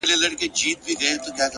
هره شېبه د غوره کېدو فرصت لري